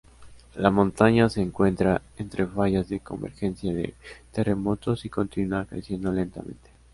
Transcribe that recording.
La montaña se encuentra entre fallas de convergencia de terremotos y continúa creciendo lentamente.